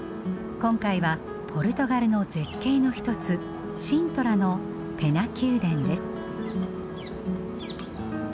今回はポルトガルの絶景の一つシントラのペナ宮殿です。